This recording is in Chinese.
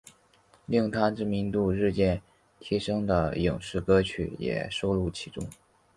令她知名度日渐提升的影视歌曲也收录其中。